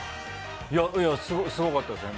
すごかったですね